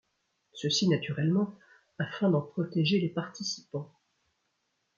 Ceci naturellement afin d'en protéger les participants.